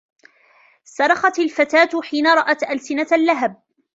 صرخت الفتاة حين رأت ألسنة اللهب.